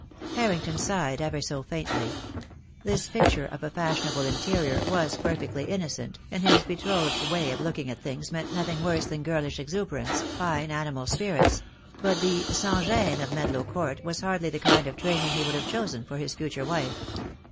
Harrington sighed ever so faintly. This picture of a fashionable interior was perfectly innocent, and his be trothed's way of looking at things meant nothing worse than girlish exuberance, fine animal spirits: but the sans gene of Medlow Court was hardly the kind of training he would have chosen for his future wife.